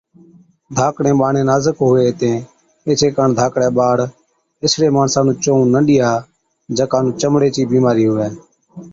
ڌاڪڙين ٻاڙين نازڪ هُوي هِتين ايڇي ڪاڻ ڌاڪڙَي ٻاڙ اِسڙي ماڻسا نُون چوئُون نہ ڏِيا، جڪا نُون چمڙي چِي بِيمارِي هُوَي۔